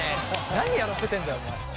何やらせてんだよお前。